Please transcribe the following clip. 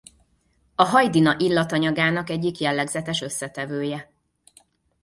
A hajdina illatanyagának egyik jellegzetes összetevője.